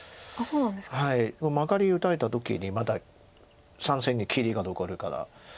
はいマガリ打たれた時にまだ３線に切りが残るから。